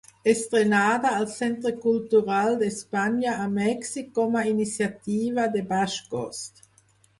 Estrenada al centre cultural d’Espanya a Mèxic com a iniciativa de baix cost.